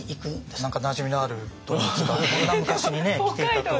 何かなじみのある動物がそんな昔にね来ていたとは。